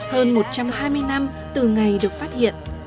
hơn một trăm hai mươi năm từ ngày được phát hiện